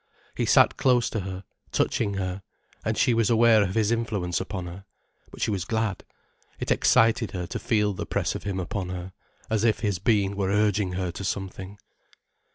He sat close to her, touching her, and she was aware of his influence upon her. But she was glad. It excited her to feel the press of him upon her, as if his being were urging her to something.